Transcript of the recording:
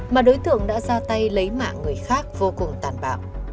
mà đối tượng đã ra tay lấy mạng người khác vô cùng tàn bạo